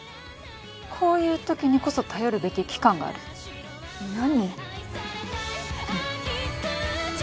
こういうときにこそ頼るべき機関がある何？